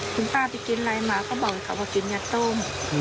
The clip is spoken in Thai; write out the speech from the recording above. คุณป้าไปกินอะไรมาก็บอกกับว่ากินยัดต้ม